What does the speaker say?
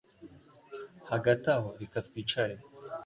Hagati aho, reka twicare.